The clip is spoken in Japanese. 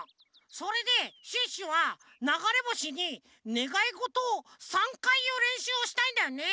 それでシュッシュはながれぼしにねがいごとを３かいいうれんしゅうをしたいんだよね。